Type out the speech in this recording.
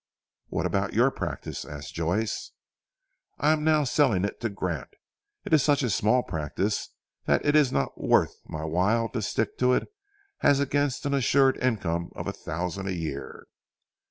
"What about your practice?" asked Joyce. "I am now selling it to Grant. It is such a small practice that it is not worth my while to stick to it as against an assured income of a thousand a year."